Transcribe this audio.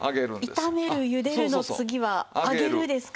炒めるゆでるの次は揚げるですか？